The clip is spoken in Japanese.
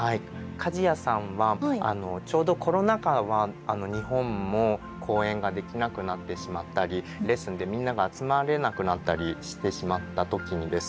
加治屋さんはちょうどコロナ禍は日本も公演ができなくなってしまったりレッスンでみんなが集まれなくなったりしてしまった時にですね